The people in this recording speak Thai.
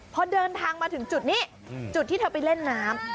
พอเดินทางมาถึงจุดนี้จุดที่เธอไปเล่นน้ำ